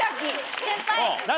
先輩。